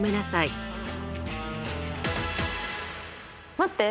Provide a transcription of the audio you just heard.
待って！